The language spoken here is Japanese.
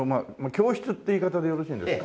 教室っていう言い方でよろしいんですか？